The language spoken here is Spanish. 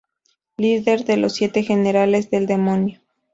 Líder de los Siete Generales del Demonio.